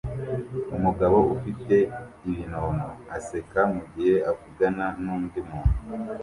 Umugabo ufite ibinono aseka mugihe avugana nundi muntu